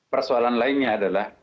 persoalan lainnya adalah